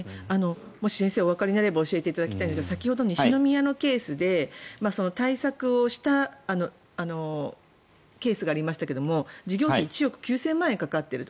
もし先生おわかりになれば教えていただきたいんですが先ほど西宮のケースで対策をしたケースがありましたが事業費１億９０００万円かかっていると。